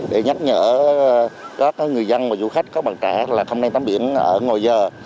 để nhắc nhở các người dân và du khách có bằng cả là không nên tắm biển ở ngoài giờ